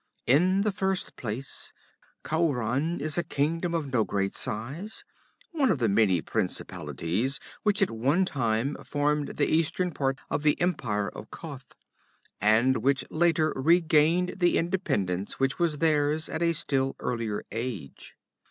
In the first place, Khauran is a kingdom of no great size, one of the many principalities which at one time formed the eastern part of the empire of Koth, and which later regained the independence which was theirs at a still earlier age.